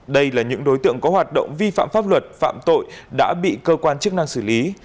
đây là những đối tượng có hoạt động vi phạm pháp luật phạm tội đã bị cơ quan chức năng xử lý